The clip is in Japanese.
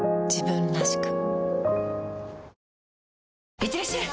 いってらっしゃい！